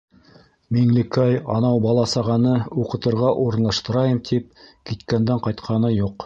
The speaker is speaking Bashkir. Миңлекәй анау бала-сағаны уҡытырға урынлаштырайым тип киткәндән ҡайтҡаны юҡ.